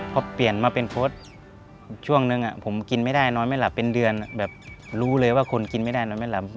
พอเปลี่ยนมาเป็นโพสต์ช่วงนึงผมกินไม่ได้นอนไม่หลับเป็นเดือนแบบรู้เลยว่าคนกินไม่ได้นอนไม่หลับ